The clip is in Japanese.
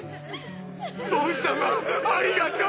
ボン様ありがとう！！